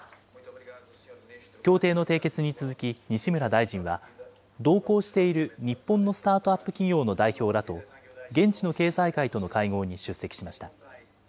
協定の締結に続き、西村大臣は、同行している日本のスタートアップ企業の代表らと、現地の経済界との会合に出席しました。